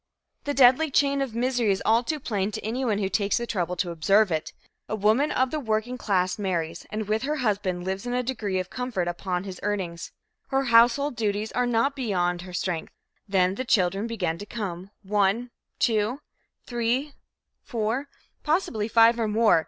The deadly chain of misery is all too plain to anyone who takes the trouble to observe it. A woman of the working class marries and with her husband lives in a degree of comfort upon his earnings. Her household duties are not beyond her strength. Then the children begin to come one, two, three, four, possibly five or more.